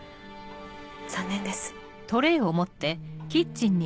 残念です。